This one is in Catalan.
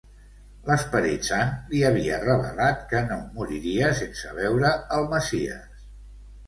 L'Esperit Sant li havia revelat que no moriria sense veure el Messies.